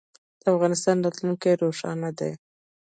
د افغانستان راتلونکی روښانه دی